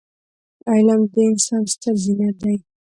علم د انسان ستره زينت دی.